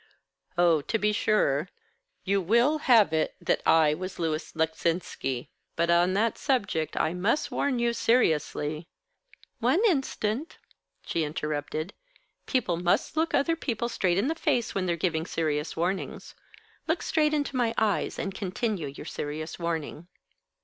"Oh, to be sure. You will have it that I was Louis Leczinski. But, on that subject, I must warn you seriously " "One instant," she interrupted. "People must look other people straight in the face when they're giving serious warnings. Look straight into my eyes, and continue your serious warning."